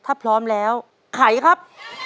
ถ้าพร้อมแล้วไขครับ